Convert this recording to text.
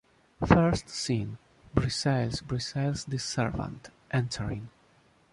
First scene BRIZAILLES, BRIZAILLES THE SERVANT, entering.